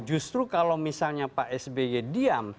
justru kalau misalnya pak sby diam